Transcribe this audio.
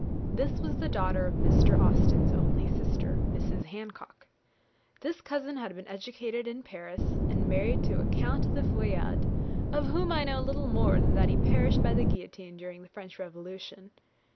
This was the daughter of Mr. Austen's only sister, Mrs. Hancock. This cousin had been educated in Paris, and married to a Count de Feuillade, of whom I know little more than that he perished by the guillotine during the French Revolution.